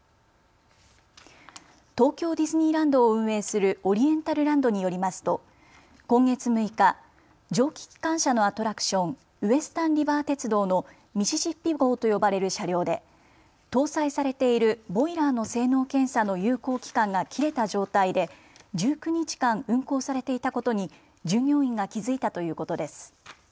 東京ディズニーランドを運営するオリエンタルランドによりますと今月６日、蒸気機関車のアトラクション、ウエスタンリバー鉄道のミシシッピ号と呼ばれる車両で搭載されているボイラーの性能検査の有効期間が切れた状態で１９日間運行されていたことに従業員が気付いたということです。